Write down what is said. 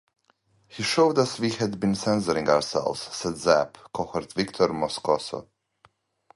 "He showed us we had been censoring ourselves," said "Zap" cohort Victor Moscoso.